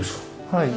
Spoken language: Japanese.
はい。